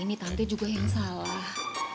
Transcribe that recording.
ini tante juga yang salah